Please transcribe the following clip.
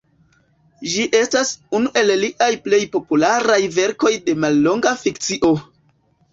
Ĝi estas unu el liaj plej popularaj verkoj de mallonga fikcio.